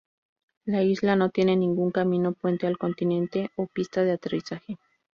La isla no tiene ningún camino, puente al continente, o pista de aterrizaje.